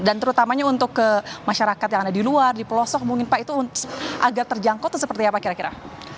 dan terutamanya untuk masyarakat yang ada di luar di pelosok mungkin pak itu agak terjangkau atau seperti apa kira kira